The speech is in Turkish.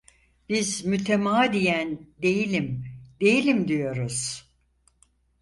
Biz mütemadiyen: "Değilim, değilim!" diyoruz.